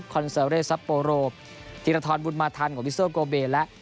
คอนเซอเลสปโปโรธีรทรบุลมาทันของบิสเซอร์โกเบและ